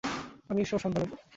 আমিই সব সামলে নেব।